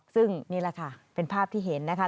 ซึ่งนี่แหละค่ะเป็นภาพที่เห็นนะคะ